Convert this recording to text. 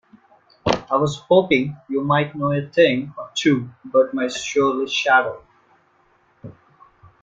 I was hoping you might know a thing or two about my surly shadow?